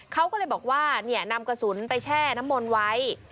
เขาก็เลยบอกว่านำกระสุนไปแช่น้ำมนต์ไว้